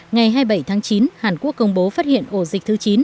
ngày hai mươi bảy tháng chín hàn quốc công bố phát hiện ổ dịch thứ chín